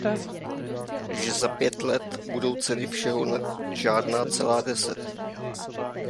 Že za pět let budou ceny všeho na žádná celá deset.